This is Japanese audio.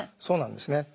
そうなんですね。